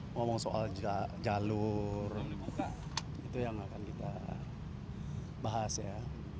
ngomong soal jalur itu yang akan kita bahas ya